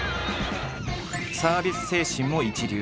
サービス精神も一流。